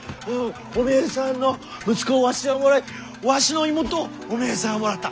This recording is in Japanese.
おめえさんの息子をわしがもらいわしの妹をおめえさんはもらった。